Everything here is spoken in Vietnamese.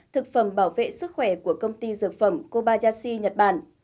thực phẩm bảo vệ sức khỏe của công ty dược phẩm kobayashi nhật bản